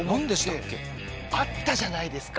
あったじゃないですか。